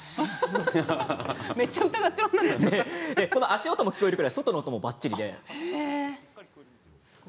このように足音も聞こえるくらい外の音もばっちり。